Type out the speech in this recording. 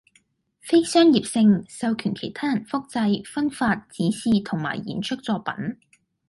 非商業性，授權其他人複製，分發，展示同埋演出作品